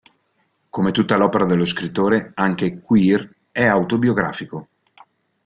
Come tutta l'opera dello scrittore, anche "Queer" è autobiografico.